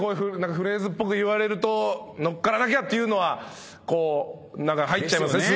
フレーズっぽく言われると乗っからなきゃっていうのは入っちゃいますねスイッチがね。